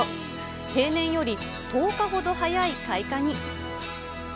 平年より１０日ほど早い開花に。